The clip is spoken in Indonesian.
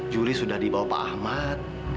juri sudah dibawa pak ahmad